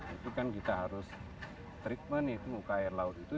itu kan kita harus treatment itu muka air laut itu